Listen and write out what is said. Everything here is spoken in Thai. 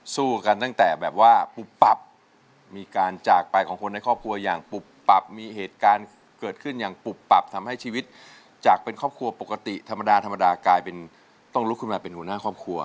สู้กันตั้งแต่แบบว่าปุ๊บปับมีการจากไปของคนในครอบครัวอย่างปุบปับมีเหตุการณ์เกิดขึ้นอย่างปุบปับทำให้ชีวิตจากเป็นครอบครัวปกติธรรมดาธรรมดากลายเป็นต้องลุกขึ้นมาเป็นหัวหน้าครอบครัว